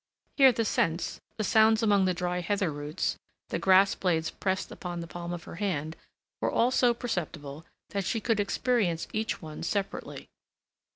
Here the scents, the sounds among the dry heather roots, the grass blades pressed upon the palm of her hand, were all so perceptible that she could experience each one separately.